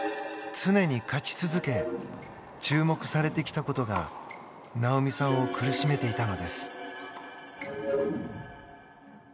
常に勝ち続け注目されてきたことがなおみさんを苦しめていたのです。